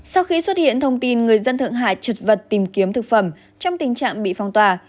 sau khi xuất hiện thông tin người dân thượng hải trật vật tìm kiếm thực phẩm trong tình trạng bị phong tỏa